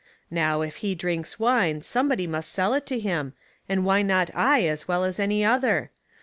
Now, if he drinks wine somebody must sell it to him, and why not I as well as any other?